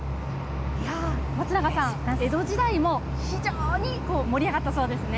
いや松永さん、江戸時代も非常に盛り上がったそうですね。